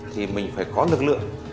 thì mình phải có lực lượng